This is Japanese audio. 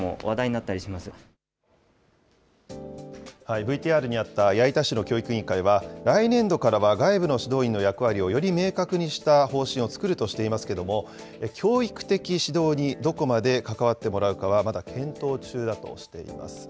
ＶＴＲにあった矢板市の教育委員会は、来年度からは外部の指導員の役割をより明確にした方針を作るとしていますけれども、教育的指導にどこまで関わってもらうかはまだ検討中だとしています。